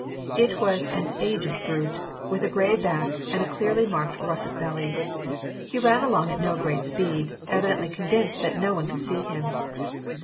It was an aged brute, with a gray back, and a clearly marked russet belly. He ran along at no great speed, evidently convinced that no one could see him.